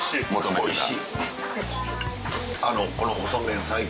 おいしい。